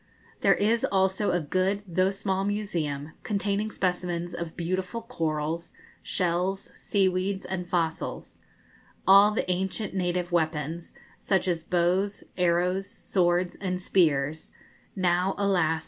There is also a good, though small museum, containing specimens of beautiful corals, shells, seaweeds, and fossils; all the ancient native weapons, such as bows, arrows, swords, and spears now, alas!